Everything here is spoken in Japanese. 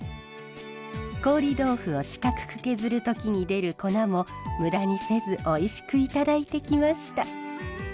凍り豆腐を四角く削る時に出る粉もムダにせずおいしくいただいてきました。